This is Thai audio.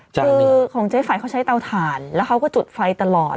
คือของเจ๊ไฝเขาใช้เตาถ่านแล้วเขาก็จุดไฟตลอด